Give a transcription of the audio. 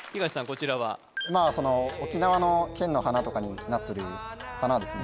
こちらは沖縄の県の花とかになってる花ですね